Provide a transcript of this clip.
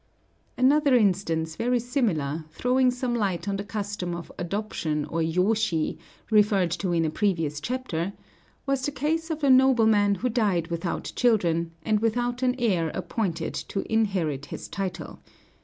Another instance very similar, throwing some light on the custom of adoption or yōshi, referred to in a previous chapter, was the case of a nobleman who died without children, and without an heir appointed to inherit his title.